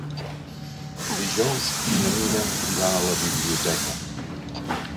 Dijous na Mira irà a la biblioteca.